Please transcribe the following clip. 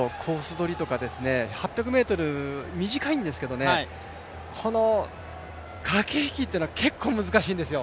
取りとか８００ｍ短いんですけれども、この駆け引きというのは結構難しいんですよ。